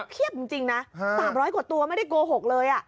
เพียบจริงนะ๓๐๐กว่าตัวไม่ได้โกหกเลย